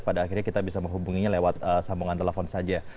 pada akhirnya kita bisa menghubunginya lewat sambungan telepon saja